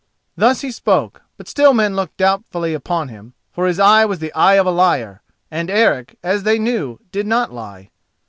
Thus he spoke, but still men looked doubtfully upon him, for his eye was the eye of a liar—and Eric, as they knew, did not lie.